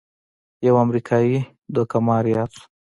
یو امریکايي دوکه مار یاد شو.